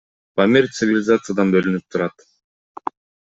Памир цивилизациядан бөлүнүп турат.